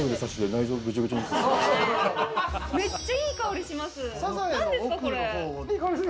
めっちゃいい香りします。